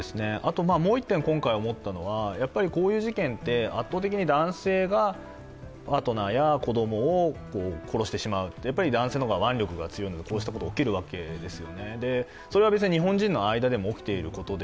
もう一点、今回思ったのは、こういう事件って、圧倒的に男性がパートナーや子供を殺してしまうやっぱり男性の方が腕力が強いのでこうしたことが起きるわけです。